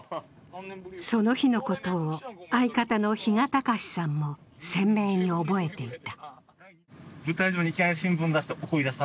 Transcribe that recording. その日のことを相方の比嘉崇さんも鮮明に覚えていた。